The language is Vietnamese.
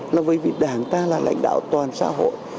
làm vì vì đảng ta là lãnh đạo toàn xã hội